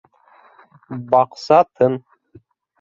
Баҡса тын.